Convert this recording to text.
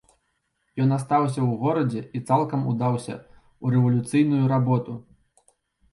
Ён астаўся ў горадзе і цалкам удаўся ў рэвалюцыйную работу.